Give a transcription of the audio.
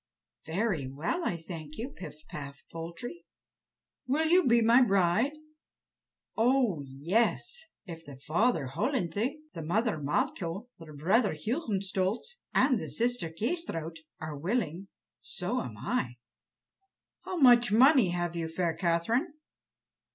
"Very well, I thank you, Pif paf Poltrie." "Will you be my bride?" "Oh, yes! if the father Hollenthe, the mother Malcho, the brother Hohenstolz, and the sister Kâsetraut are willing, so am I." "How much money have you, fair Catherine?"